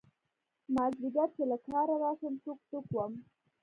مازدیگر چې له کاره راشم ټوک ټوک وم.